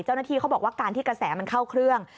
เจ้าหน้าที่เขาบอกว่าการที่กระแสมันเข้าเครื่อง